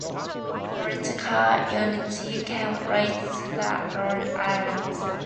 Political unity came late to the Lau Islands.